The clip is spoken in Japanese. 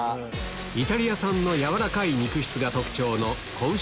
イタリア産の軟らかい肉質が特徴の仔牛